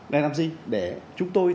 để làm gì để chúng tôi